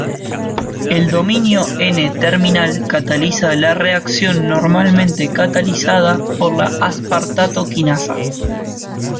El dominio N-terminal cataliza la reacción normalmente catalizada por la aspartato kinasa.